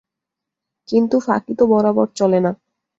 কিন্তু ফাঁকি তো বরাবর চলে না।